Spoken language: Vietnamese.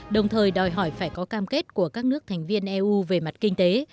đồng thời đòi hỏi phải có cam kết của các nước thành viên eu về mặt kinh tế